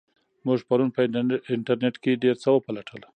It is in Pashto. موږ پرون په انټرنیټ کې ډېر څه وپلټل.